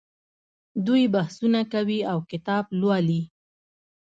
دوی بحثونه کوي او کتاب لوالي.